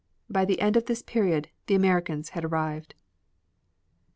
By the end of this period the Americans had arrived.